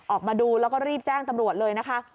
ออกมาดูแล้วก็รีบแจ้งตำรวจเลยนะคะ